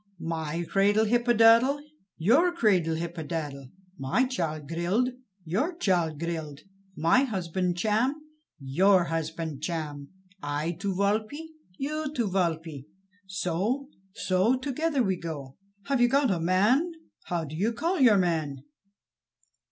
"My cradle Hippodadle, your cradle Hippodadle; my child Grild, your child Grild; my husband Cham, your husband Cham; I to Walpe, you to Walpe; so, so, together we go." "Have you got a man? How do you call your man?"